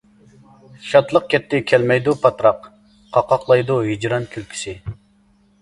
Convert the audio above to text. شادلىق كەتتى كەلمەيدۇ پاتراق، قاقاقلايدۇ ھىجران كۈلكىسى.